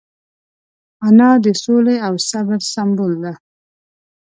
انا د سولې او صبر سمبول ده